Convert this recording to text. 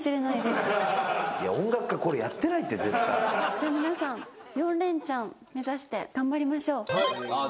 じゃあ皆さん４レンチャン目指して頑張りましょう。